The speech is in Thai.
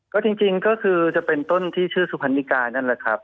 ก็จริงก็คือจะเป็นต้นที่ชื่อสุพรรณิกานั่นแหละครับ